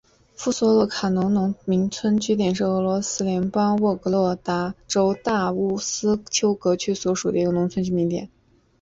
苏索洛夫卡农村居民点是俄罗斯联邦沃洛格达州大乌斯秋格区所属的一个农村居民点。